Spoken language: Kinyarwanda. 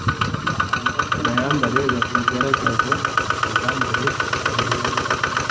bayambare batagaragaza ubwambure ahere